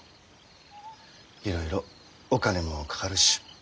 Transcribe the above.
いろいろお金もかかるし。